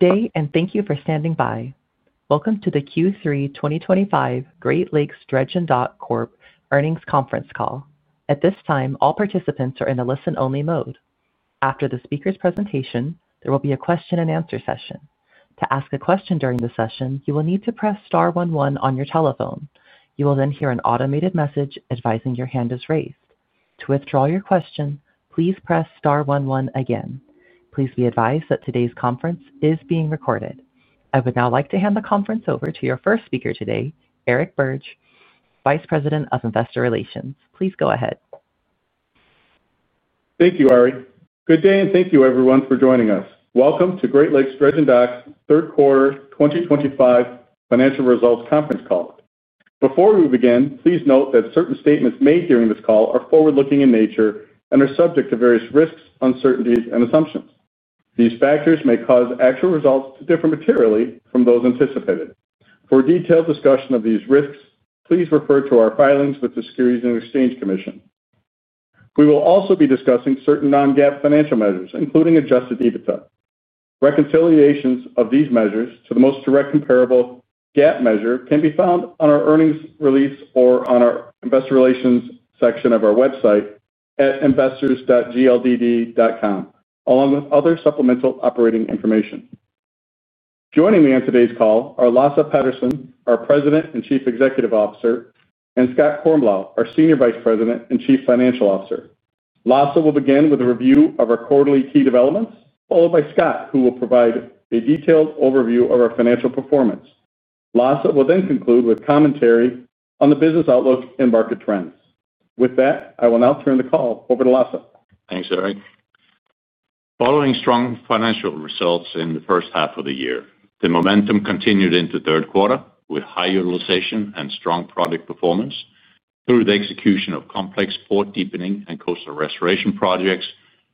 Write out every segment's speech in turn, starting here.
Good day, and thank you for standing by. Welcome to the Q3 2025 Great Lakes Dredge & Dock Corp Earnings Conference Call. At this time, all participants are in a listen-only mode. After the speaker's presentation, there will be a question-and-answer session. To ask a question during the session, you will need to press star one one on your telephone. You will then hear an automated message advising your hand is raised. To withdraw your question, please press star 11 again. Please be advised that today's conference is being recorded. I would now like to hand the conference over to your first speaker today, Eric Birge, Vice President of Investor Relations. Please go ahead. Thank you, Ari. Good day, and thank you, everyone, for joining us. Welcome to Great Lakes Dredge & Dock's third quarter 2025 financial results conference call. Before we begin, please note that certain statements made during this call are forward-looking in nature and are subject to various risks, uncertainties, and assumptions. These factors may cause actual results to differ materially from those anticipated. For a detailed discussion of these risks, please refer to our filings with the Securities and Exchange Commission. We will also be discussing certain non-GAAP financial measures, including adjusted EBITDA. Reconciliations of these measures to the most direct comparable GAAP measure can be found on our earnings release or on our Investor Relations section of our website at investors.gldd.com, along with other supplemental operating information. Joining me on today's call are Lasse Petterson, our President and Chief Executive Officer, and Scott Kornblau, our Senior Vice President and Chief Financial Officer. Lasse will begin with a review of our quarterly key developments, followed by Scott, who will provide a detailed overview of our financial performance. Lasse will then conclude with commentary on the business outlook and market trends. With that, I will now turn the call over to Lasse. Thanks, Eric. Following strong financial results in the first half of the year, the momentum continued into the third quarter with high utilization and strong product performance through the execution of complex port deepening and coastal restoration projects,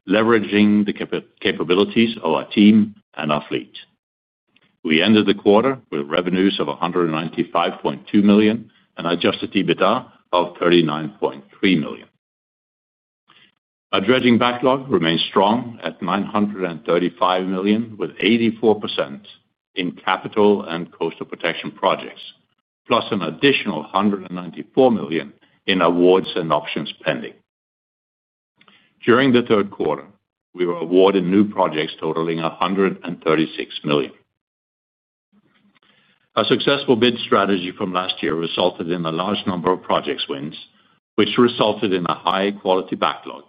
leveraging the capabilities of our team and our fleet. We ended the quarter with revenues of $195.2 million and adjusted EBITDA of $39.3 million. Our dredging backlog remains strong at $935 million, with 84% in capital and coastal protection projects, plus an additional $194 million in awards and options pending. During the third quarter, we were awarded new projects totaling $136 million. A successful bid strategy from last year resulted in a large number of project wins, which resulted in a high-quality backlog,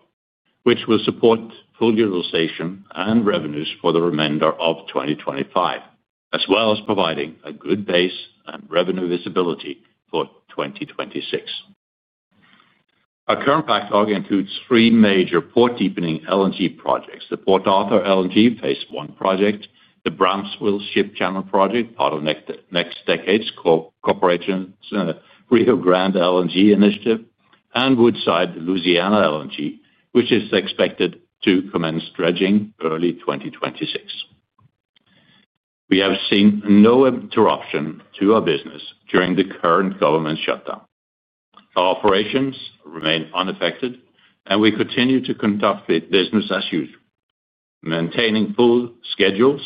which will support full utilization and revenues for the remainder of 2025, as well as providing a good base and revenue visibility for 2026. Our current backlog includes three major port deepening LNG projects: the Port Arthur LNG phase I project, the Brownsville Ship Channel project, part of NextDecade Corporation's Rio Grande LNG initiative, and Woodside Louisiana LNG, which is expected to commence dredging early 2026. We have seen no interruption to our business during the current government shutdown. Our operations remain unaffected, and we continue to conduct business as usual, maintaining full schedules,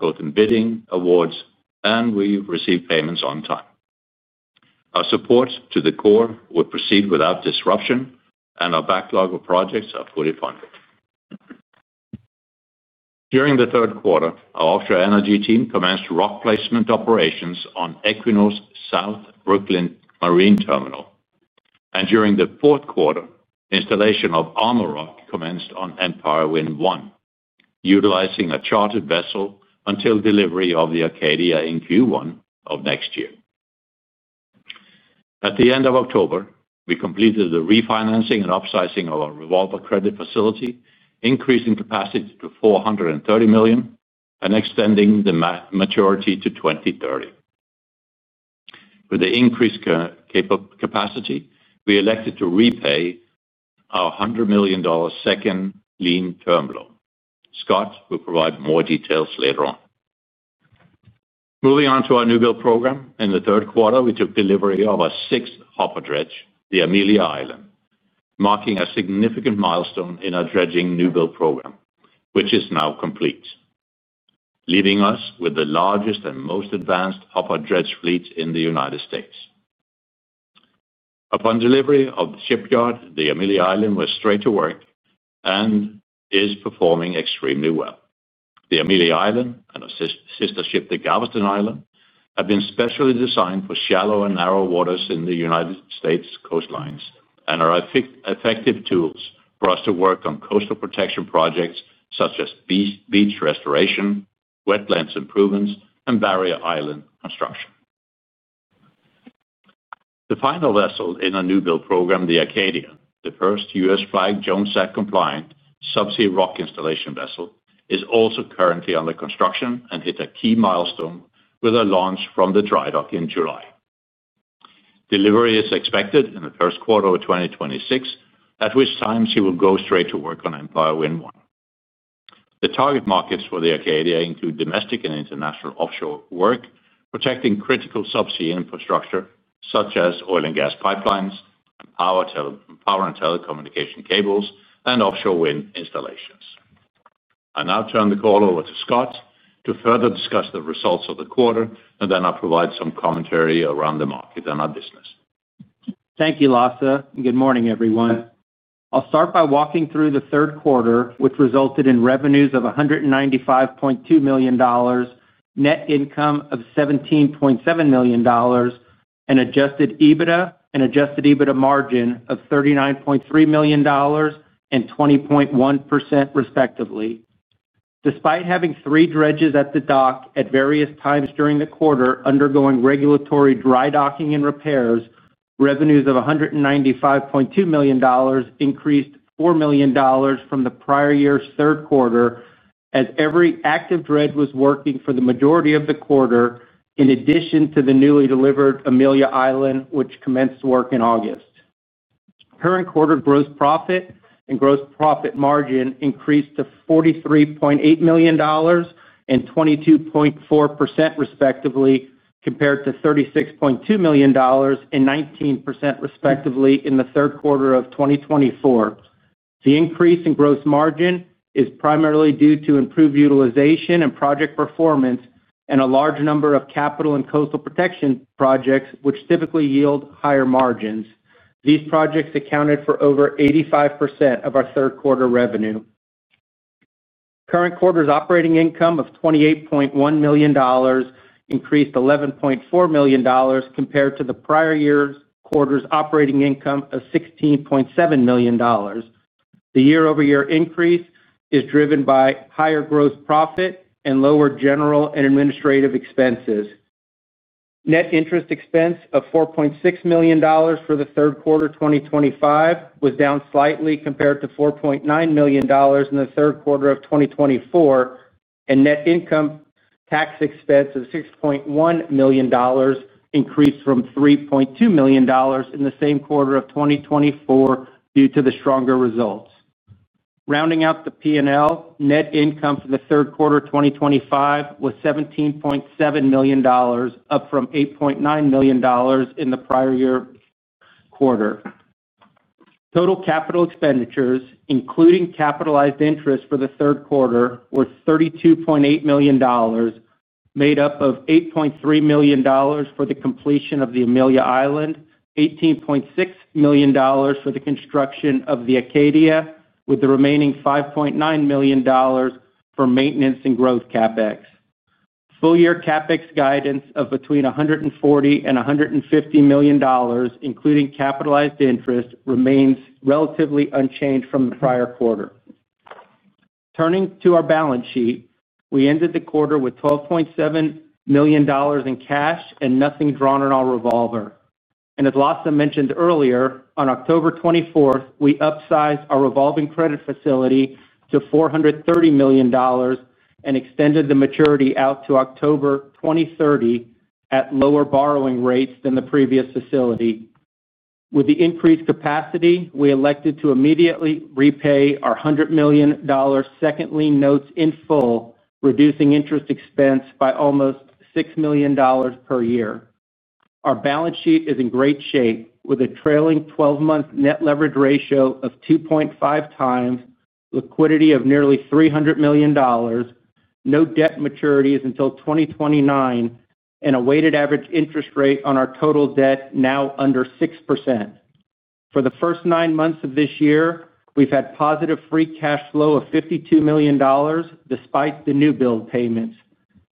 both in bidding, awards, and we receive payments on time. Our support to the Corps will proceed without disruption, and our backlog of projects are fully funded. During the third quarter, our offshore energy team commenced rock placement operations on Equinor South Brooklyn Marine Terminal, and during the fourth quarter, installation of armor rock commenced on Empire Wind 1, utilizing a chartered vessel until delivery of the Acadia in Q1 of next year. At the end of October, we completed the refinancing and upsizing of our revolver credit facility, increasing capacity to $430 million and extending the maturity to 2030. With the increased capacity, we elected to repay our $100 million second lien term loan. Scott will provide more details later on. Moving on to our new build program, in the third quarter, we took delivery of our sixth hopper dredge, the Amelia Island, marking a significant milestone in our dredging new build program, which is now complete. Leaving us with the largest and most advanced hopper dredge fleet in the United States. Upon delivery from the shipyard, the Amelia Island went straight to work and is performing extremely well. The Amelia Island and our sister ship, the Galveston Island, have been specially designed for shallow and narrow waters in the United States coastlines and are effective tools for us to work on coastal protection projects such as beach restoration, wetlands improvements, and barrier island construction. The final vessel in our new build program, the Acadia, the first U.S.-flagged Jones Act-compliant subsea rock installation vessel, is also currently under construction and hit a key milestone with a launch from the dry dock in July. Delivery is expected in the first quarter of 2026, at which time she will go straight to work on Empire Wind 1. The target markets for the Acadia include domestic and international offshore work, protecting critical subsea infrastructure such as oil and gas pipelines, power and telecommunication cables, and offshore wind installations. I now turn the call over to Scott to further discuss the results of the quarter, and then I'll provide some commentary around the market and our business. Thank you, Lasse. Good morning, everyone. I'll start by walking through the third quarter, which resulted in revenues of $195.2 million, net income of $17.7 million, and adjusted EBITDA and adjusted EBITDA margin of $39.3 million and 20.1%, respectively. Despite having three dredges at the dock at various times during the quarter, undergoing regulatory dry docking and repairs, revenues of $195.2 million increased $4 million from the prior year's third quarter, as every active dredge was working for the majority of the quarter, in addition to the newly delivered Amelia Island, which commenced work in August. Current quarter gross profit and gross profit margin increased to $43.8 million and 22.4%, respectively, compared to $36.2 million and 19%, respectively, in the third quarter of 2024. The increase in gross margin is primarily due to improved utilization and project performance and a large number of capital and coastal protection projects, which typically yield higher margins. These projects accounted for over 85% of our third quarter revenue. Current quarter's operating income of $28.1 million increased $11.4 million compared to the prior year's quarter's operating income of $16.7 million. The year-over-year increase is driven by higher gross profit and lower general and administrative expenses. Net interest expense of $4.6 million for the third quarter 2025 was down slightly compared to $4.9 million in the third quarter of 2024, and net income tax expense of $6.1 million increased from $3.2 million in the same quarter of 2024 due to the stronger results. Rounding out the P&L, net income for the third quarter 2025 was $17.7 million, up from $8.9 million in the prior year quarter. Total capital expenditures, including capitalized interest for the third quarter, were $32.8 million, made up of $8.3 million for the completion of the Amelia Island, $18.6 million for the construction of the Acadia, with the remaining $5.9 million for maintenance and growth CapEx. Full-year CapEx guidance of between $140-$150 million, including capitalized interest, remains relatively unchanged from the prior quarter. Turning to our balance sheet, we ended the quarter with $12.7 million in cash and nothing drawn on our revolver, and as Lasse mentioned earlier, on October 24th, we upsized our revolving credit facility to $430 million and extended the maturity out to October 2030 at lower borrowing rates than the previous facility. With the increased capacity, we elected to immediately repay our $100 million second lien notes in full, reducing interest expense by almost $6 million per year. Our balance sheet is in great shape, with a trailing 12-month net leverage ratio of 2.5x, liquidity of nearly $300 million. No debt maturity is until 2029, and a weighted average interest rate on our total debt now under 6%. For the first nine months of this year, we've had positive free cash flow of $52 million despite the new build payments.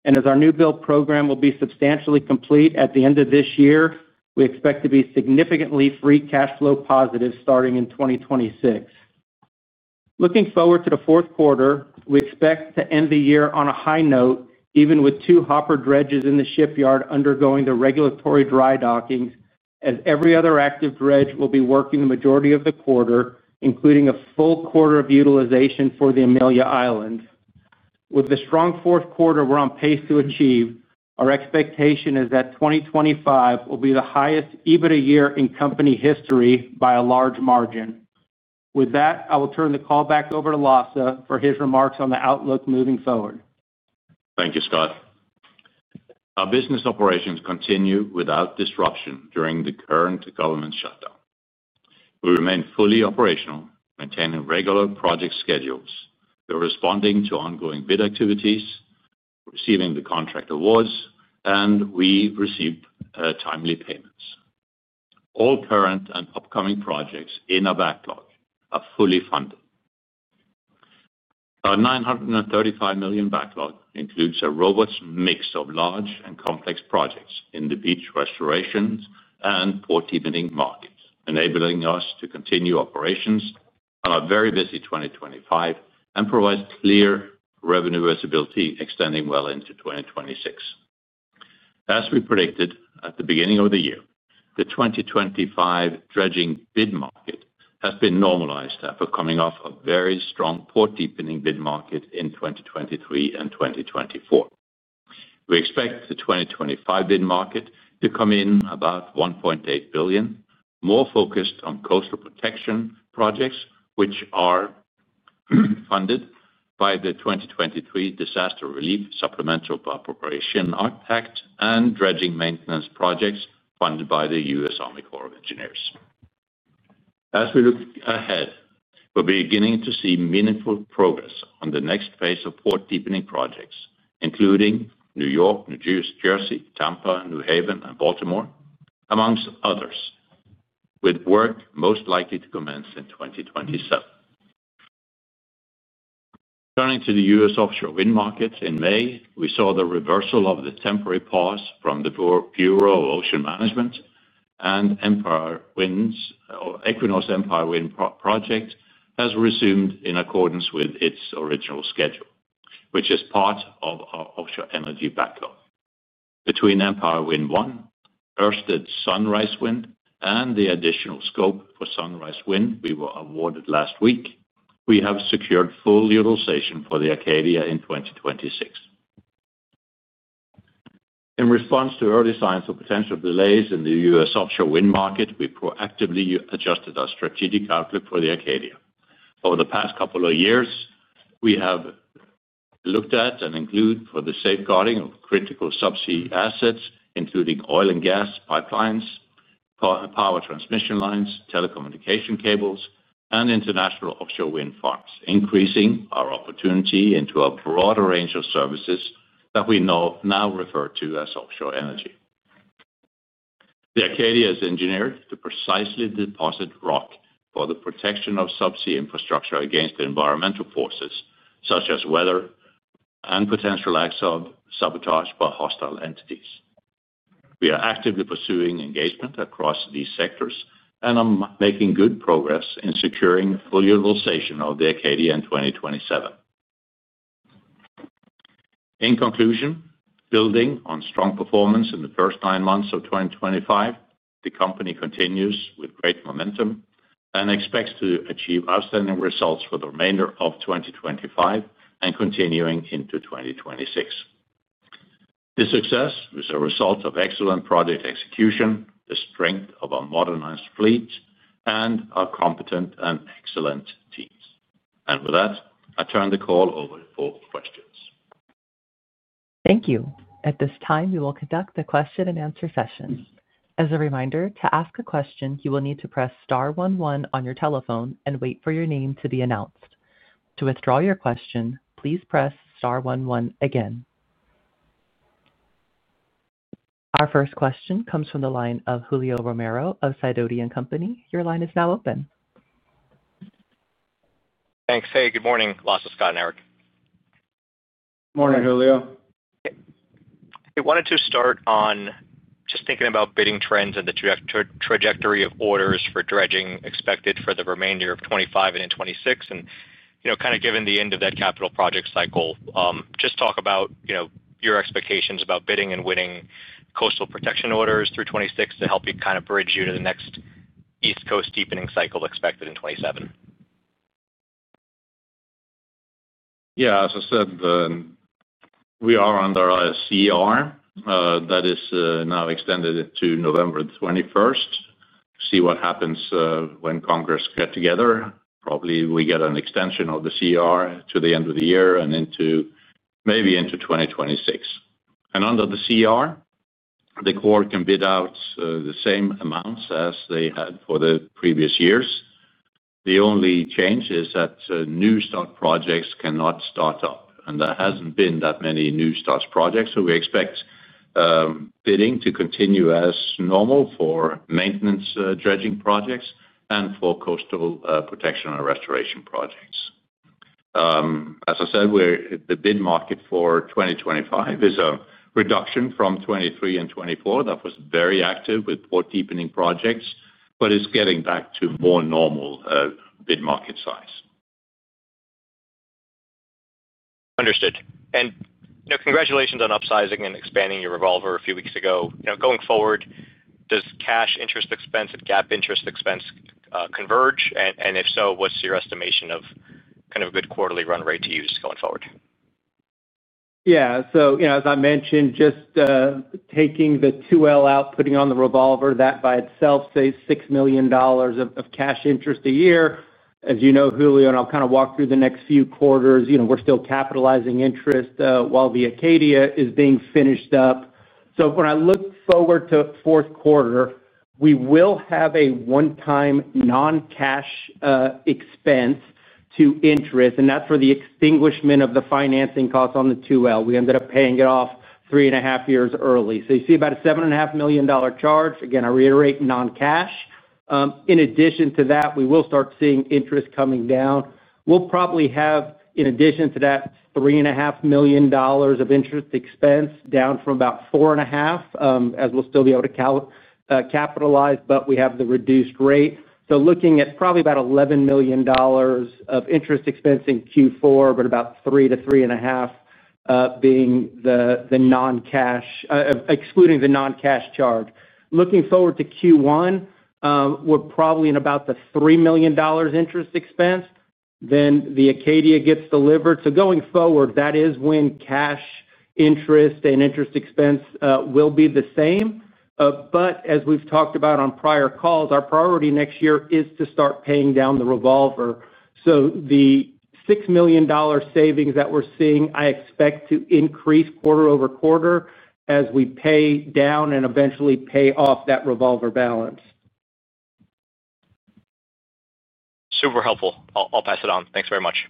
And as our new build program will be substantially complete at the end of this year, we expect to be significantly free cash flow positive starting in 2026. Looking forward to the fourth quarter, we expect to end the year on a high note, even with two hopper dredges in the shipyard undergoing the regulatory dry dockings, as every other active dredge will be working the majority of the quarter, including a full quarter of utilization for the Amelia Island. With the strong fourth quarter we're on pace to achieve, our expectation is that 2025 will be the highest EBITDA year in company history by a large margin. With that, I will turn the call back over to Lasse for his remarks on the outlook moving forward. Thank you, Scott. Our business operations continue without disruption during the current government shutdown. We remain fully operational, maintaining regular project schedules. We're responding to ongoing bid activities, receiving the contract awards, and we receive timely payments. All current and upcoming projects in our backlog are fully funded. Our $935 million backlog includes a robust mix of large and complex projects in the beach restorations and port deepening markets, enabling us to continue operations on a very busy 2025 and provide clear revenue visibility extending well into 2026. As we predicted at the beginning of the year, the 2025 dredging bid market has been normalized after coming off a very strong port deepening bid market in 2023 and 2024. We expect the 2025 bid market to come in about $1.8 billion, more focused on coastal protection projects, which are funded by the 2023 Disaster Relief Supplemental Appropriations Act and dredging maintenance projects funded by the U.S. Army Corps of Engineers. As we look ahead, we're beginning to see meaningful progress on the next phase of port deepening projects, including New York/New Jersey, Tampa, New Haven, and Baltimore, among others, with work most likely to commence in 2027. Turning to the U.S. offshore wind markets, in May, we saw the reversal of the temporary pause from the Bureau of Ocean Energy Management, and Equinor's Empire Wind project has resumed in accordance with its original schedule, which is part of our offshore energy backlog. Between Empire Wind 1, Ørsted Sunrise Wind, and the additional scope for Sunrise Wind we were awarded last week, we have secured full utilization for the Acadia in 2026. In response to early signs of potential delays in the U.S. offshore wind market, we proactively adjusted our strategic outlook for the Acadia. Over the past couple of years, we have looked at and included for the safeguarding of critical subsea assets, including oil and gas pipelines, power transmission lines, telecommunication cables, and international offshore wind farms, increasing our opportunity into a broader range of services that we now refer to as offshore energy. The Acadia is engineered to precisely deposit rock for the protection of subsea infrastructure against environmental forces such as weather and potential acts of sabotage by hostile entities. We are actively pursuing engagement across these sectors and are making good progress in securing full utilization of the Acadia in 2027. In conclusion, building on strong performance in the first nine months of 2025, the company continues with great momentum and expects to achieve outstanding results for the remainder of 2025 and continuing into 2026. This success is a result of excellent project execution, the strength of our modernized fleet, and our competent and excellent teams, and with that, I turn the call over for questions. Thank you. At this time, we will conduct the question-and-answer session. As a reminder, to ask a question, you will need to press star one one on your telephone and wait for your name to be announced. To withdraw your question, please press star one one again. Our first question comes from the line of Julio Romero of Sidoti & Company. Your line is now open. Thanks. Hey, good morning, Lasse, Scott, and Eric. Good morning, Julio. Okay. I wanted to start on just thinking about bidding trends and the trajectory of orders for dredging expected for the remainder of 2025 and in 2026. And kind of given the end of that capital project cycle. Just talk about your expectations about bidding and winning coastal protection orders through 2026 to help you kind of bridge you to the next East Coast deepening cycle expected in 2027. Yeah, as I said. We are under a CR that is now extended to November 21st. See what happens when Congress get together. Probably we get an extension of the CR to the end of the year and maybe into 2026, and under the CR the Corps can bid out the same amounts as they had for the previous years. The only change is that new start projects cannot start up, and there hasn't been that many new start projects. So we expect bidding to continue as normal for maintenance dredging projects and for coastal protection and restoration projects. As I said, the bid market for 2025 is a reduction from 2023 and 2024. That was very active with port deepening projects, but it's getting back to more normal bid market size. Understood, and congratulations on upsizing and expanding your revolver a few weeks ago. Going forward, does cash interest expense and GAAP interest expense converge, and if so, what's your estimation of kind of a good quarterly run rate to use going forward? Yeah. So as I mentioned, just taking the 2L out, putting on the revolver, that by itself saves $6 million of cash interest a year. As you know, Julio, and I'll kind of walk through the next few quarters, we're still capitalizing interest while the Acadia is being finished up. So when I look forward to fourth quarter, we will have a one-time non-cash expense to interest, and that's for the extinguishment of the financing costs on the 2L. We ended up paying it off three and a half years early. So you see about a $7.5 million charge. Again, I reiterate, non-cash. In addition to that, we will start seeing interest coming down. We'll probably have, in addition to that, $3.5 million of interest expense down from about $4.5 million, as we'll still be able to capitalize, but we have the reduced rate. So looking at probably about $11 million of interest expense in Q4, but about $3 million-$3.5 million being the non-cash, excluding the non-cash charge. Looking forward to Q1, we're probably in about the $3 million interest expense. Then the Acadia gets delivered. So going forward, that is when cash interest and interest expense will be the same. But as we've talked about on prior calls, our priority next year is to start paying down the revolver. So the $6 million savings that we're seeing, I expect to increase quarter over quarter as we pay down and eventually pay off that revolver balance. Super helpful. I'll pass it on. Thanks very much.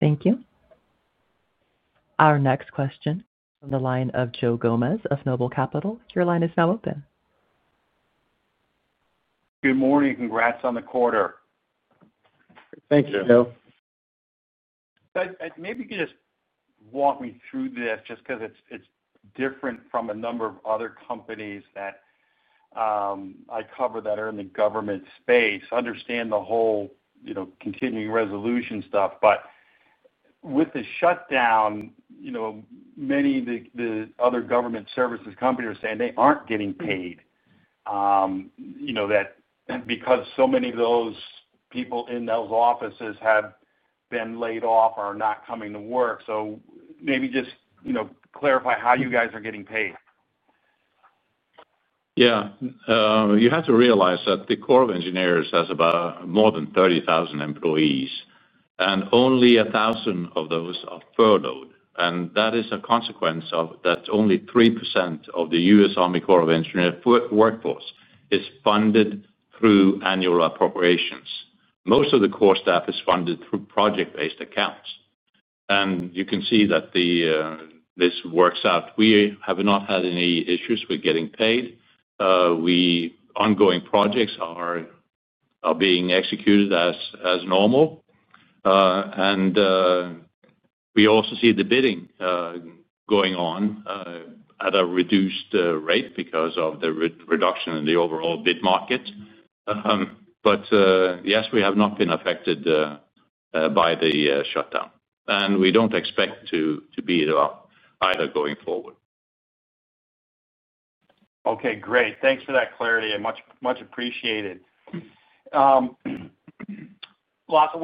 Thank you. Our next question is from the line of Joe Gomes of NOBLE Capital. Your line is now open. Good morning. Congrats on the quarter. Thank you, Joe. Maybe you could just walk me through this just because it's different from a number of other companies that I cover that are in the government space understand the whole Continuing Resolution stuff, but with the shutdown many of the other government services companies are saying they aren't getting paid that because so many of those people in those offices have been laid off or are not coming to work, so maybe just clarify how you guys are getting paid. Yeah. You have to realize that the Corps of Engineers has about more than 30,000 employees, and only 1,000 of those are furloughed. And that is a consequence of that only 3% of the U.S. Army Corps of Engineers workforce is funded through annual appropriations. Most of the core staff is funded through project-based accounts. And you can see that. This works out. We have not had any issues with getting paid. Ongoing projects are being executed as normal. And we also see the bidding going on at a reduced rate because of the reduction in the overall bid market. But yes, we have not been affected by the shutdown. And we don't expect to be either going forward. Okay, great. Thanks for that clarity. Much appreciated. Lasse,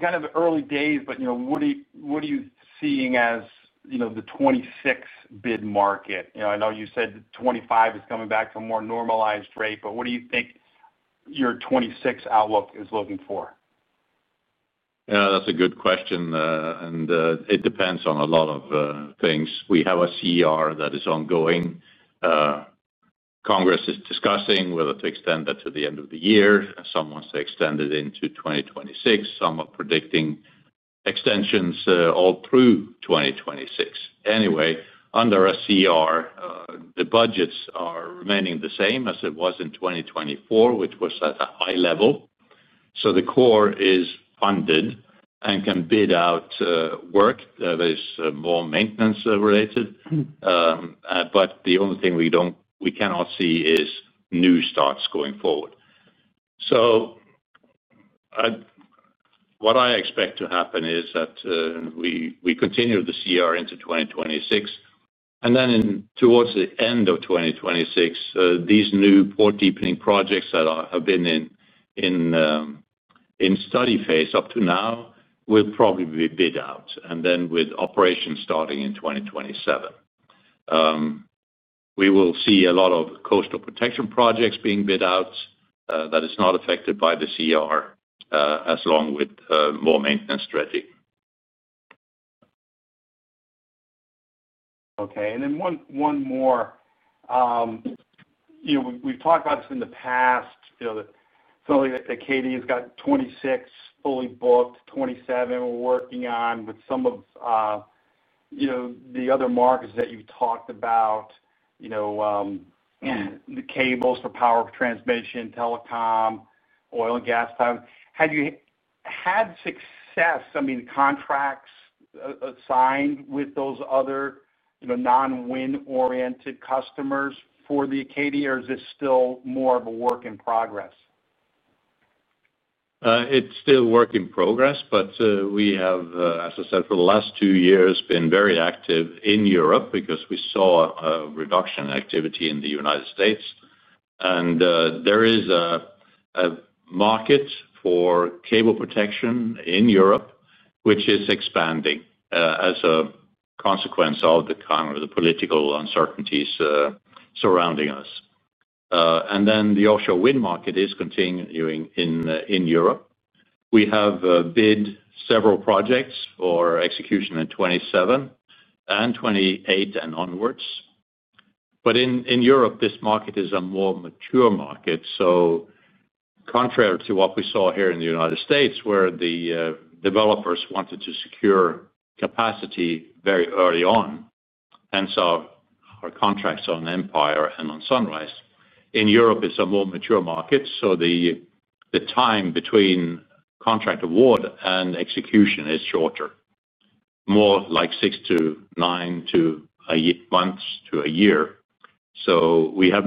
kind of early days, but what are you seeing as the 2026 bid market? I know you said 2025 is coming back to a more normalized rate, but what do you think your 2026 outlook is looking for? That's a good question and it depends on a lot of things. We have a CR that is ongoing. Congress is discussing whether to extend that to the end of the year. Some want to extend it into 2026. Some are predicting extensions all through 2026. Anyway, under a CR, the budgets are remaining the same as it was in 2024, which was at a high level, so the core is funded and can bid out work that is more maintenance-related, but the only thing we cannot see is new starts going forward. So what I expect to happen is that we continue the CR into 2026 and then towards the end of 2026, these new port deepening projects that have been in study phase up to now will probably be bid out and then, with operations starting in 2027, we will see a lot of coastal protection projects being bid out that are not affected by the CR along with more maintenance dredging. Okay. And then one more. We've talked about this in the past. Something like Acadia has got 2026 fully booked, 2027 we're working on, but some of the other markets that you've talked about. The cables for power transmission, telecom, oil and gas pipes. Have you had success, I mean, contracts signed with those other non-wind-oriented customers for the Acadia, or is this still more of a work in progress? It's still work in progress, but we have, as I said, for the last two years, been very active in Europe because we saw a reduction in activity in the United States, and there is a market for cable protection in Europe, which is expanding as a consequence of the kind of political uncertainties surrounding us, and then the offshore wind market is continuing in Europe. We have bid several projects for execution in 2027 and 2028 and onwards. But in Europe, this market is a more mature market. So, contrary to what we saw here in the United States, where the developers wanted to secure capacity very early on, and so our contracts on Empire and on Sunrise, in Europe, it's a more mature market. So, the time between contract award and execution is shorter. More like six to nine months to a year. So, we have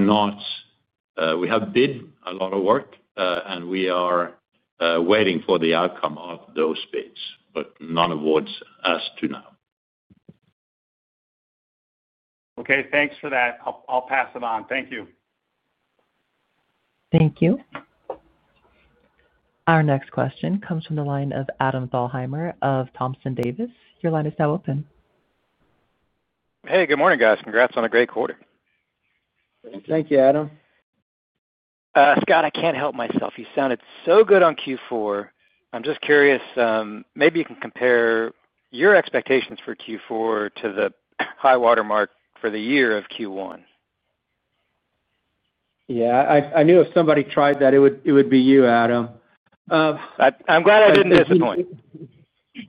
bid a lot of work, and we are waiting for the outcome of those bids, but none of what's asked for now. Okay. Thanks for that. I'll pass it on. Thank you. Thank you. Our next question comes from the line of Adam Thalhimer of Thomson Davis. Your line is now open. Hey, good morning, guys. Congrats on a great quarter. Thank you, Adam. Scott, I can't help myself. You sounded so good on Q4. I'm just curious, maybe you can compare your expectations for Q4 to the high watermark for the year of Q1. Yeah. I knew if somebody tried that, it would be you, Adam. I'm glad I didn't disappoint.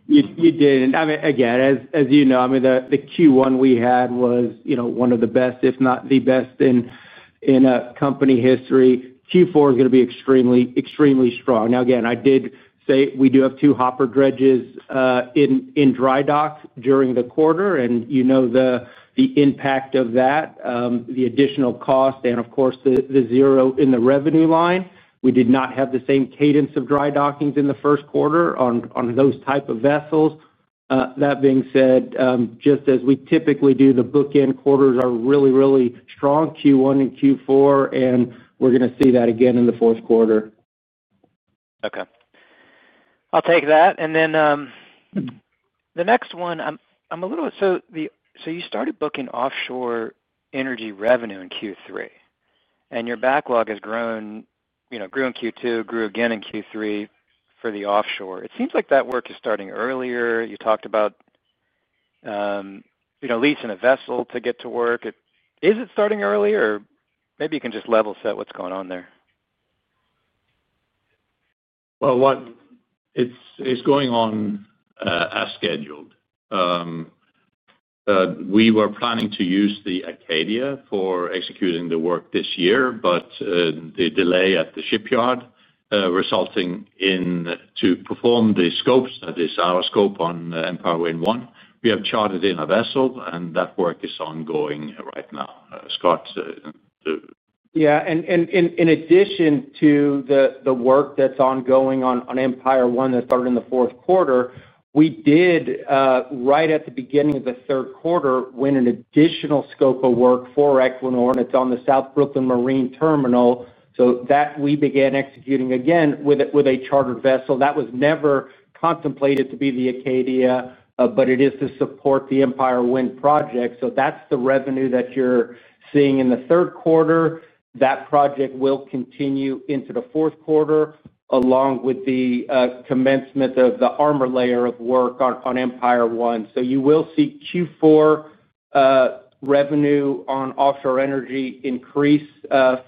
You didn't. I mean, again, as you know, I mean, the Q1 we had was one of the best, if not the best in company history. Q4 is going to be extremely, extremely strong. Now, again, I did say we do have two hopper dredges in dry dock during the quarter, and you know the impact of that, the additional cost, and of course, the zero in the revenue line. We did not have the same cadence of dry dockings in the first quarter on those type of vessels. That being said, just as we typically do, the bookend quarters are really, really strong Q1 and Q4, and we're going to see that again in the fourth quarter. Okay. I'll take that. And then, the next one. I'm a little so you started booking offshore energy revenue in Q3, and your backlog has grown. It grew in Q2, grew again in Q3 for the offshore. It seems like that work is starting earlier. You talked about leasing a vessel to get to work. Is it starting earlier? Or maybe you can just level set what's going on there. Well, it's going on as scheduled. We were planning to use the Acadia for executing the work this year, but the delay at the shipyard resulted in performing the scopes, that is our scope on Empire Wind 1. We have chartered a vessel, and that work is ongoing right now. Scott. Yeah. And in addition to the work that's ongoing on Empire 1 that started in the fourth quarter, we did right at the beginning of the third quarter win an additional scope of work for Equinor. It's on the South Brooklyn Marine Terminal. So that we began executing again with a chartered vessel. That was never contemplated to be the Acadia, but it is to support the Empire Wind project. So that's the revenue that you're seeing in the third quarter. That project will continue into the fourth quarter along with the commencement of the armor layer of work on Empire 1. So you will see Q4 revenue on offshore energy increase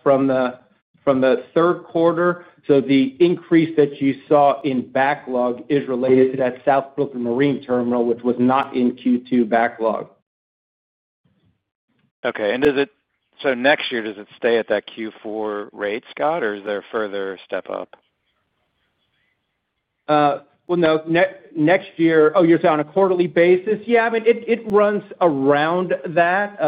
from the third quarter. So the increase that you saw in backlog is related to that South Brooklyn Marine Terminal, which was not in Q2 backlog. Okay. And so next year, does it stay at that Q4 rate, Scott, or is there a further step up? Well, no. Next year, oh, you're saying on a quarterly basis? Yeah. I mean, it runs around that.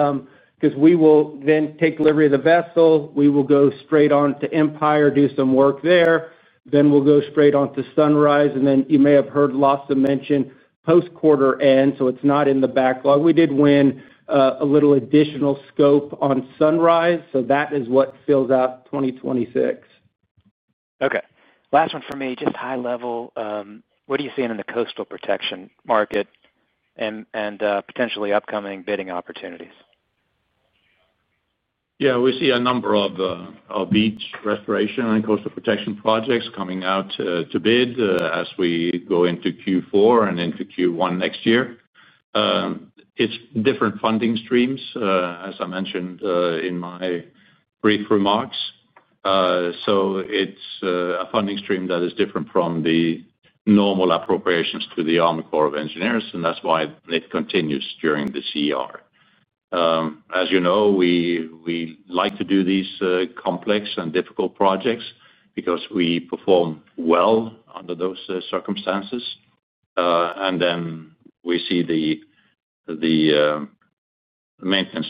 Because we will then take delivery of the vessel. We will go straight on to Empire, do some work there. Then we'll go straight on to Sunrise. And then you may have heard Lasse mention post-quarter-end, so it's not in the backlog. We did win a little additional scope on Sunrise. So that is what fills out 2026. Okay. Last one for me, just high level. What are you seeing in the coastal protection market? And potentially upcoming bidding opportunities? Yeah. We see a number of beach restoration and coastal protection projects coming out to bid as we go into Q4 and into Q1 next year. It's different funding streams, as I mentioned in my brief remarks. So it's a funding stream that is different from the normal appropriations to the U.S. Army Corps of Engineers, and that's why it continues during the CER. As you know, we like to do these complex and difficult projects because we perform well under those circumstances. And then we see the maintenance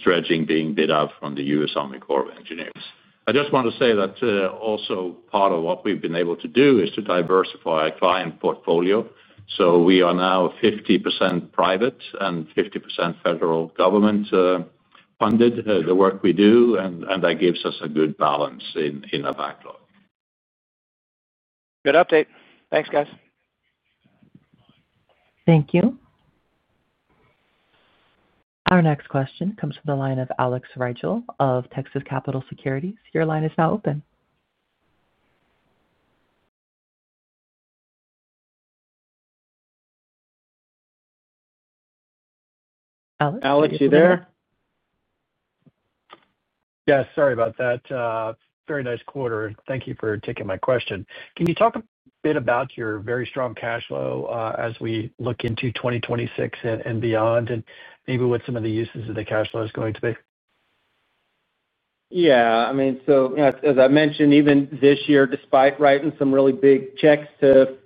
dredging being bid out from the U.S. Army Corps of Engineers. I just want to say that also part of what we've been able to do is to diversify our client portfolio. So we are now 50% private and 50% federal government funded, the work we do, and that gives us a good balance in our backlog. Good update. Thanks, guys. Thank you. Our next question comes from the line of Alex Rygiel of Texas Capital Securities. Your line is now open. Alex, you there? Yes. Sorry about that. Very nice quarter. Thank you for taking my question. Can you talk a bit about your very strong cash flow as we look into 2026 and beyond, and maybe what some of the uses of the cash flow is going to be? Yeah. I mean, so as I mentioned, even this year, despite writing some really big checks to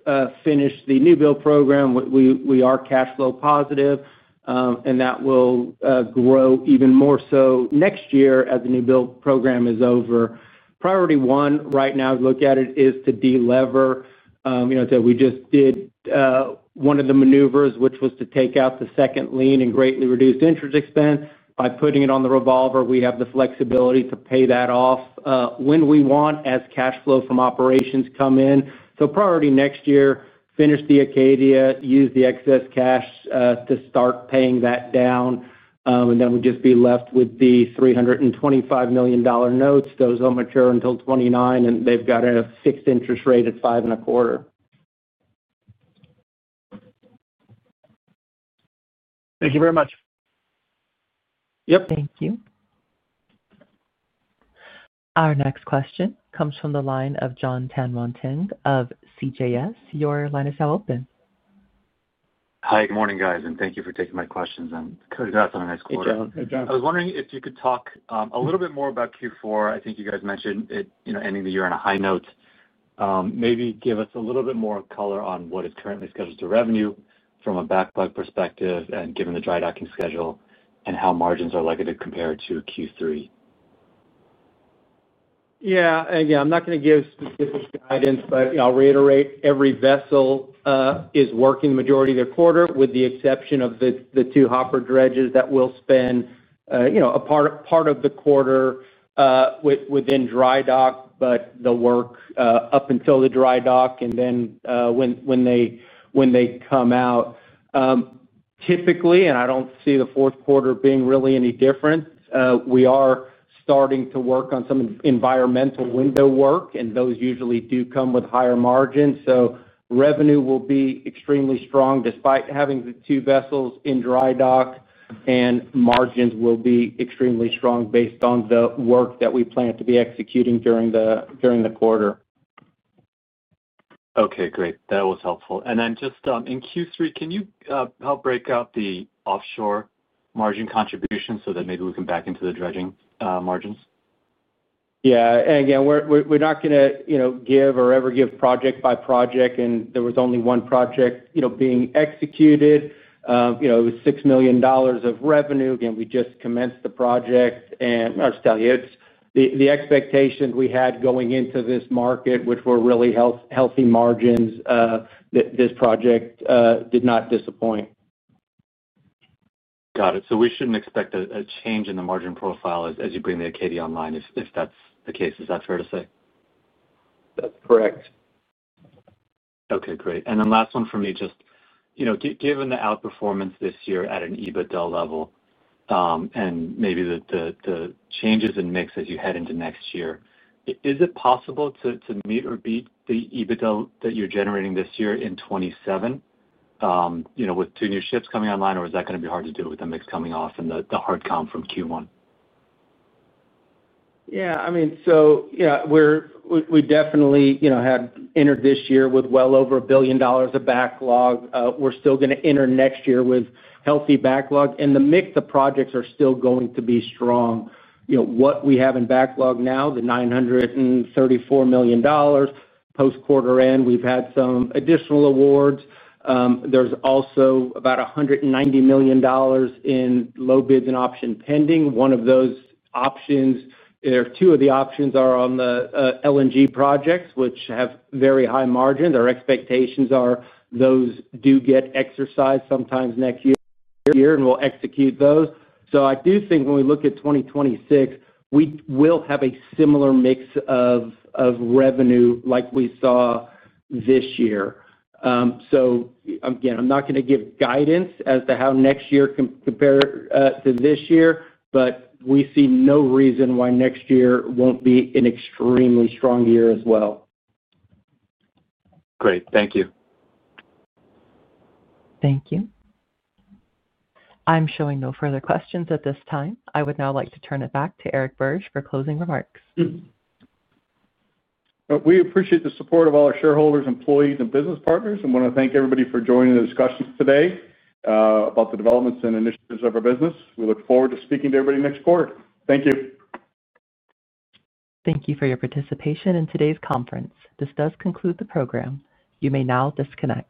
finish the new build program, we are cash flow positive, and that will grow even more so next year as the new build program is over. Priority one right now to look at it is to deliver. We just did. One of the maneuvers, which was to take out the second lien and greatly reduced interest expense by putting it on the revolver. We have the flexibility to pay that off when we want as cash flow from operations come in. So priority next year, finish the Acadia, use the excess cash to start paying that down. And then we'd just be left with the $325 million notes. Those don't mature until 2029, and they've got a fixed interest rate at 5.25%. Thank you very much. Yep. Thank you. Our next question comes from the line of Jon Tanwanteng of CJS. Your line is now open. Hi, good morning, guys. And thank you for taking my questions. I'm good. That's a nice quarter. Hey, John. Hey, John. I was wondering if you could talk a little bit more about Q4. I think you guys mentioned ending the year on a high note. Maybe give us a little bit more color on what is currently scheduled to revenue from a backlog perspective and given the dry-docking schedule and how margins are likely to compare to Q3. Yeah. Again, I'm not going to give specific guidance, but I'll reiterate every vessel is working the majority of their quarter with the exception of the two hopper dredges that will spend a part of the quarter within dry dock, but they'll work up until the dry dock and then when they come out. Typically, and I don't see the fourth quarter being really any different, we are starting to work on some environmental window work, and those usually do come with higher margins. So revenue will be extremely strong despite having the two vessels in dry dock, and margins will be extremely strong based on the work that we plan to be executing during the quarter. Okay. Great. That was helpful. And then just in Q3, can you help break out the offshore margin contribution so that maybe we can back into the dredging margins? Yeah, and again, we're not going to give or ever give project by project, and there was only one project being executed. It was $6 million of revenue. Again, we just commenced the project, and I'll just tell you, the expectations we had going into this market, which were really healthy margins. This project did not disappoint. Got it. So we shouldn't expect a change in the margin profile as you bring the Acadia online if that's the case. Is that fair to say? That's correct. Okay. Great. And then last one for me, just given the outperformance this year at an EBITDA level. And maybe the changes in mix as you head into next year, is it possible to meet or beat the EBITDA that you're generating this year in 2027? With two new ships coming online, or is that going to be hard to do with the mix coming off and the hard comp from Q1? Yeah. I mean, so. We definitely had entered this year with well over a billion dollars of backlog. We're still going to enter next year with healthy backlog, and the mix of projects are still going to be strong. What we have in backlog now, the $934 million. Post-quarter end, we've had some additional awards. There's also about $190 million in low bids and options pending. One of those options, or two of the options, are on the LNG projects, which have very high margins. Our expectations are those do get exercised sometime next year and we'll execute those. So I do think when we look at 2026, we will have a similar mix of revenue like we saw this year. So again, I'm not going to give guidance as to how next year compares to this year, but we see no reason why next year won't be an extremely strong year as well. Great. Thank you. Thank you. I'm showing no further questions at this time. I would now like to turn it back to Eric Birge for closing remarks. We appreciate the support of all our shareholders, employees, and business partners, and want to thank everybody for joining the discussion today. About the developments and initiatives of our business. We look forward to speaking to everybody next quarter. Thank you. Thank you for your participation in today's conference. This does conclude the program. You may now disconnect.